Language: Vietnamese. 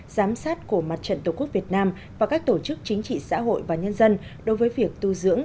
giám sát của mặt trận tổ quốc việt nam và các tổ chức chính trị xã hội và nhân dân đối với việc tu dưỡng